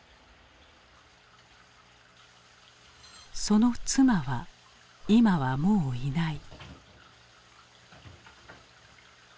その妻は今はもういない。